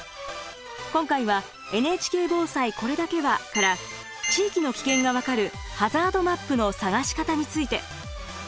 今回は「ＮＨＫ防災これだけは」から地域の危険が分かるハザードマップの探し方について。